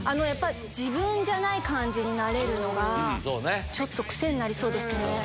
自分じゃない感じになれるのがちょっと癖になりそうですね。